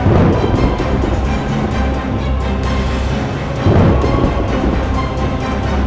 beliau hanya tarik tangan dariku